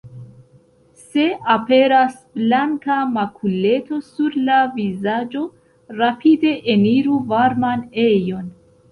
Se aperas blanka makuleto sur la vizaĝo, rapide eniru varman ejon.